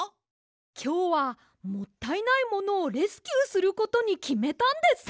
きょうはもったいないものをレスキューすることにきめたんです！